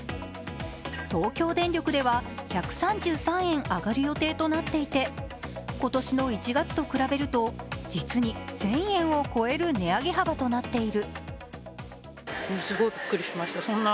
東京電力では１３３円上がる予定となっていて今年の１月と比べると実に１０００円を超える値上げ幅となっている。